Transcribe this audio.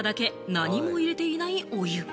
何も入れていないお湯。